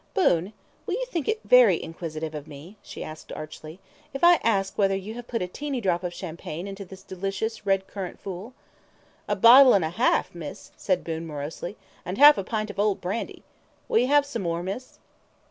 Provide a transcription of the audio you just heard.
"Boon, will you think it very inquisitive of me," she asked archly, "if I ask you whether you have put a teeny drop of champagne into this delicious red currant fool?" "A bottle and a half, Miss," said Boon morosely, "and half a pint of old brandy. Will you have some more, Miss?"